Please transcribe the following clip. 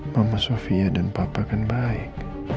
mama sofia dan papa kan baik